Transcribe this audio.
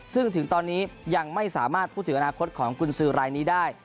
ซึ่งถึงตอนนี้ยังไม่สามารถพูดถึงอนาคตของกุญสือรายนี้ได้